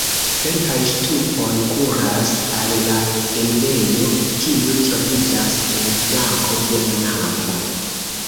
Kelkaj ŝtupoj kuras al la enirejo, kiu troviĝas en flanko de la navo.